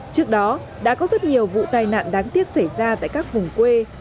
trước đó đã có rất nhiều vụ tai nạn đáng tiếc xảy ra tại các vùng quê